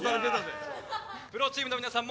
プロチームの皆さん